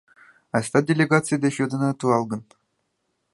— Айста делегаций деч йодына туалгын.